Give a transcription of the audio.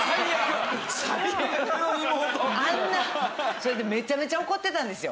それでめちゃめちゃ怒ってたんですよ。